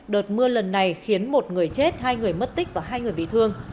đợt mưa lần này khiến một người chết hai người mất tích và hai người bị thương